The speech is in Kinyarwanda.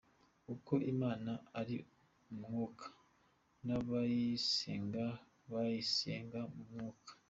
Kuko Imana ari Umwuka n’abayisenga bayisenga mu Mwuka.